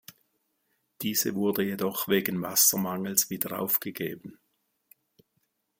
Diese wurde jedoch wegen Wassermangels wieder aufgegeben.